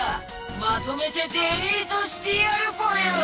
まとめてデリートしてやるぽよ！